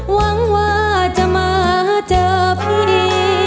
หวังว่าจะมาเจอพี่ดี